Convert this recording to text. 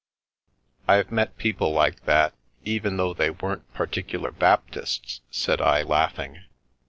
" I've met people like that, even though they weren't Particular Baptists," said I, laughing.